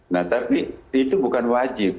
nah tapi itu bukan wajib